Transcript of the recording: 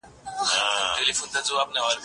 زه بايد بازار ته ولاړ سم؟!